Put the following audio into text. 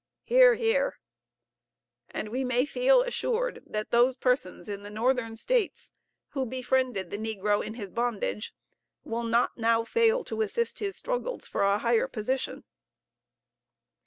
(Hear, hear.) And we may feel assured, that those persons in the Northern States who befriended the negro in his bondage will not now fail to assist his struggles for a higher position.